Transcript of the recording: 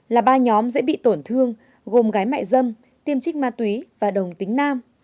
là ba nhóm dễ bị tổn thương gồm gái mại dâm tiêm trích ma túy và đồng tính nam